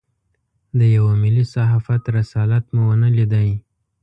د یوه ملي صحافت رسالت مو ونه لېدای.